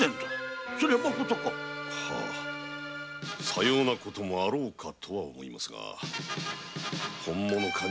さような事もあろうかと思いますが本物か